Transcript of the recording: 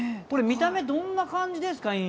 見た目、どんな感じですか？